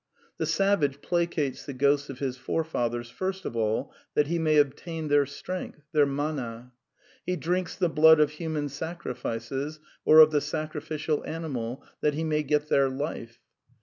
The savage placates the ghosts of his forefathers first of all that he may obtain their strength, their mana; he drinks the blood of human secrifices, or of the sacrificial animal, that he may get their life.